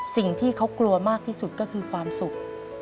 สิ่งที่เขากลัวมากที่สุดก็คือความสุข